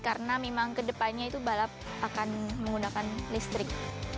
karena memang ke depannya itu balap akan menggunakan listrik